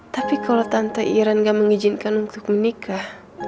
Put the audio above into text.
tapi kalau tante iren nggak mengizinkan untuk menikah